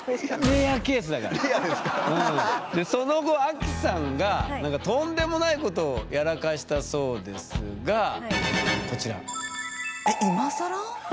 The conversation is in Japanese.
でその後アキさんがなんかとんでもないことをやらかしたそうですがこちら。